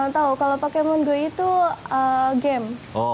tahu kalau pokemon go itu game